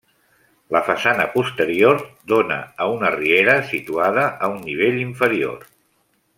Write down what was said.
La façana posterior dóna a una riera situada a un nivell inferior.